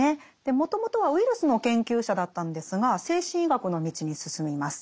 もともとはウイルスの研究者だったんですが精神医学の道に進みます。